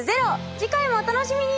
次回もお楽しみに！